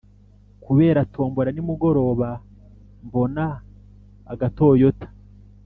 Kubera tombola nimugoroba mbona agatoyota